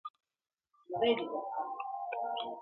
نن دي جهاني لکه پانوس لمبه، لمبه وینم .!